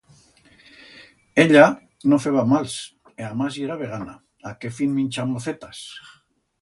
Ella no feba mals e amás yera vegana, a qué fin minchar mocetas!